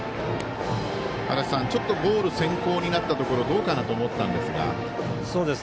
足達さん、ちょっとボール先行になったところどうかなと思ったんですが。